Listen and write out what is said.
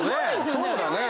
そうだね